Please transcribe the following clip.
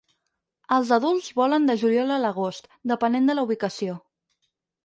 Els adults volen de juliol a l'agost, depenent de la ubicació.